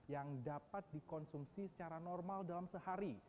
yang dapat dikonsumsi secara normal dalam sehari